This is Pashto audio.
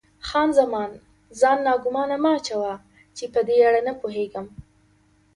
خان زمان: ځان ناګومانه مه اچوه، چې په دې اړه نه پوهېږې.